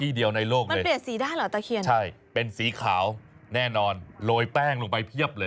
ที่เดียวในโลกเลยใช่เป็นสีขาวแน่นอนโรยแป้งลงไปเพียบเลยโอ้